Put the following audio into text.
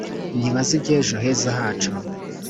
Nyibaze ibyejo heza hacu